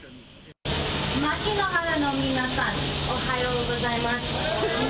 牧之原の皆さん、おはようございます。